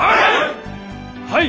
はい！